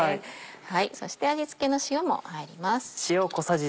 そして味付けの塩も入ります。